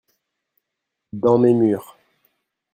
dans mes murs.